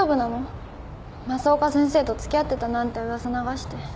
増岡先生と付き合ってたなんて噂流して。